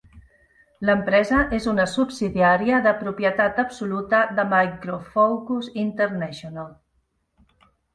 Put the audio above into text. L'empresa és una subsidiària de propietat absoluta de Micro Focus International.